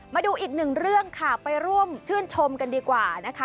มาดูอีกหนึ่งเรื่องค่ะไปร่วมชื่นชมกันดีกว่านะคะ